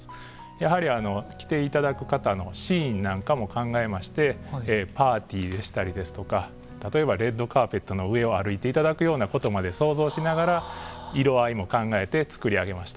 やはり着ていただく方のシーンなんかも考えましてパーティーでしたりですとか例えばレッドカーペットの上を歩いていただくようなことまで想像しながら色合いも考えてつくり上げました。